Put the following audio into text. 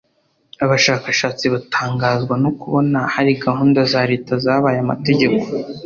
Abashakashatsi batangazwa no kubona hari gahunda za Leta zabaye amategeko